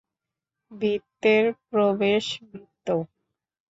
ভৃত্যের প্রবেশ ভৃত্য।